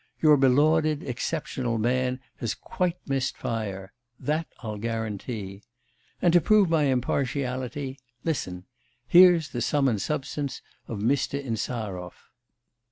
Your belauded, exceptional man has quite missed fire. That I'll guarantee. And to prove my impartiality, listen here's the sum and substance of Mr. Insarov.